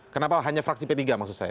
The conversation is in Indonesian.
kenapa hanya fraksi p tiga maksud saya